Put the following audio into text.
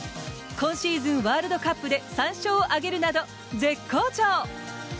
今シーズン、ワールドカップで３勝を挙げるなど絶好調！